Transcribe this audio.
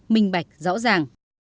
minh bạch rõ ràng